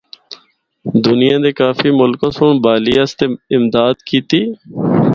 دُنیا دے کافی ملکاں سنڑ بحالی اسطے امداد کیتی۔